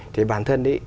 thì bản thân ấy